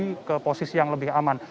jadi ke posisi yang lebih aman